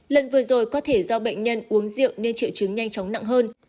lần vừa rồi có thể do bệnh nhân uống rượu nên triệu chứng nhanh chóng nặng hơn